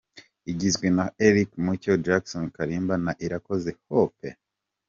igizwe na Eric Mucyo, Jackson Kalimba na Irakoze Hope.